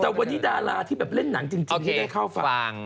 แต่วันนี้ดาราที่แบบเล่นหนังจริงให้ได้เข้าฟัง